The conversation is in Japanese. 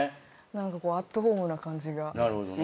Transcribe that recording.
何かこうアットホームな感じが好きです。